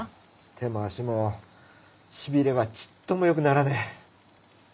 手も足も痺れはちっとも良くならねえ。